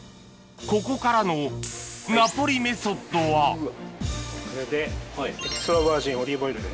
ここからのナポリメソッドはエキストラバージンオリーブオイルで。